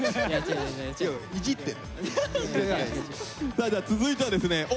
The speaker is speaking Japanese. さあじゃあ続いてはですねお！